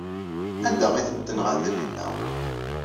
Anda ay tent-tenɣa Taninna?